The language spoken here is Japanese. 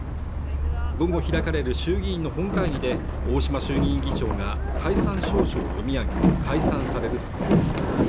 午後開かれる衆議院本会議で大島衆議院議長が解散詔書を読み上げ解散される運びです